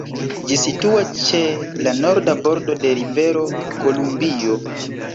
Ĝi situas ĉe la norda bordo de la rivero Kolumbio.